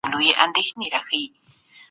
لوستې مور د ماشومانو د اوبو پاک بوتل کاروي.